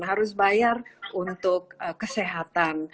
harus bayar untuk kesehatan